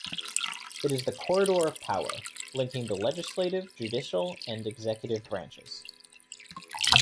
It is the corridor of power, linking the legislative, judicial, and executive branches.